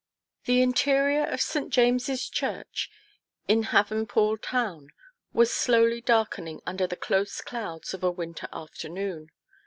THE interior of St. James's Church, in Havenpool Town, was slowly darkening under the close clouds of a winter afternoon.